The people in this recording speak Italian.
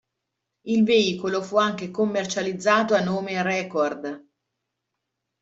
Il veicolo fu anche commercializzato a nome „Rekord“.